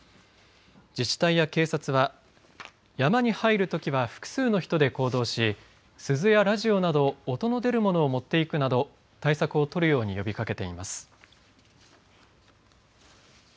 自治体や警察は山に入るときは複数の人で行動し鈴やラジオなど音の出るものを持っていくなど対策を取るように呼びかけています。